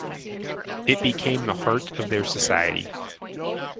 It became the heart of their society.